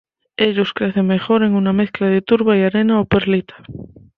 Ellos crecen mejor en una mezcla de turba y arena o perlita.